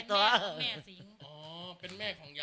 ก็คือเป็นยาใช่ไหมอ๋อซึ่งเสียไปแล้วใช่ไหมครับจ้ะ